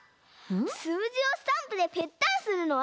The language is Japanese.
すうじをスタンプでペッタンするのは？